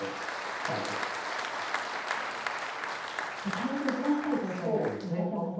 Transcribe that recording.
体重を増やしたいというふうにおっしゃってましたね。